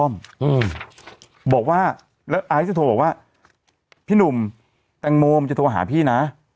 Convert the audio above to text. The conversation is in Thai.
อืมบอกว่าแล้วไอซ์จะโทรบอกว่าพี่หนุ่มแตงโมจะโทรหาพี่นะ